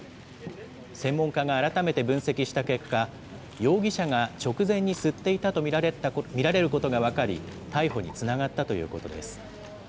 専門家が改めて分析した結果、容疑者が直前に吸っていたと見られることが分かり、逮捕につながったということです。